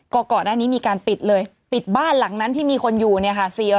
ก็ก่อนหน้านี้มีการปิดเลยปิดบ้านหลังนั้นที่มีคนอยู่เนี่ยค่ะ